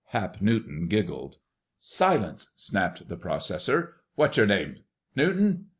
Hap Newton giggled. "Silence!" snapped the processor. "What's your name? Newton?